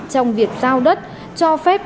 trong việc giao đất cho phép